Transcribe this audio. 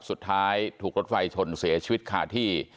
สุดท้ายถูกรถไฟชนเสียชีวิตขาดที่